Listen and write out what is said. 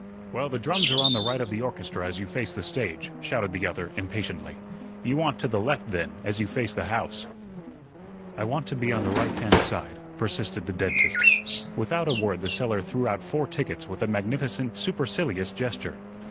"Well, the drums are on the right of the orchestra as you face the stage," shouted the other impatiently; "you want to the left, then, as you face the house." "I want to be on the right hand side," persisted the dentist. Without a word the seller threw out four tickets with a magnificent, supercilious gesture.